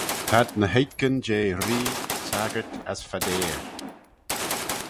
T'ad ny h-oikyn jeh ree, saggyrt as fadeyr.